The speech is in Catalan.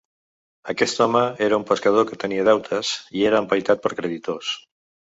Aquest home era un pescador que tenia deutes i era empaitat per creditors.